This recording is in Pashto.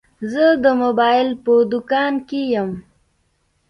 زه د موبایل په دوکان کي یم.